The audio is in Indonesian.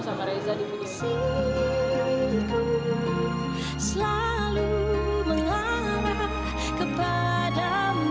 selalu mengharap kepada mu